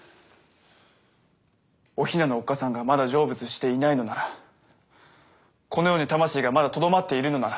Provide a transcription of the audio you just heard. お雛のおっ母さんがまだ成仏していないのならこの世に魂がまだとどまっているのなら。